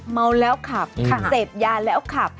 เมาแล้วขับเสพยาแล้วขับ